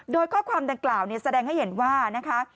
โดยข้อความดังกล่าวแสดงให้เห็นว่านะคะ